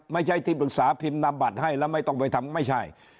ไม่ใช่ที่ปรึกษาพิมพ์นำบัตรให้แล้วไม่ต้องไปทำไม่ใช่